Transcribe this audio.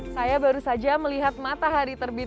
saya baru saja melihat matahari terbit